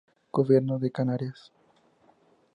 Gobierno de Canarias